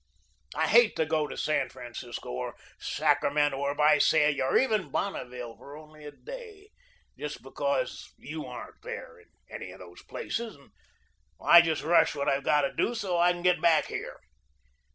I hate to go to San Francisco, or Sacramento, or Visalia, or even Bonneville, for only a day, just because you aren't there, in any of those places, and I just rush what I've got to do so as I can get back here.